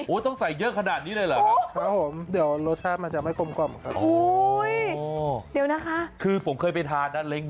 โอ๊ยต้องใส่เยอะขนาดนี้เลยเหรอครับ